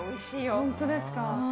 本当ですか。